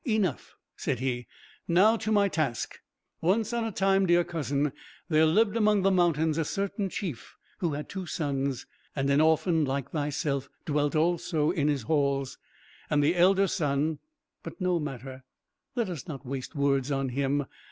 "Enough," said he; "now to my task. Once on a time, dear cousin, there lived among these mountains a certain chief who had two sons, and an orphan like thyself dwelt also in his halls. And the elder son but no matter, let us not waste words on him!